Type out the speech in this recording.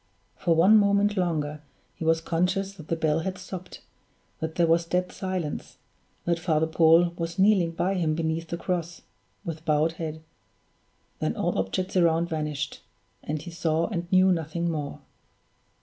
For one moment longer he was conscious that the bell had stopped, that there was dead silence, that Father Paul was kneeling by him beneath the cross, with bowed head then all objects around vanished; and he saw and knew nothing more.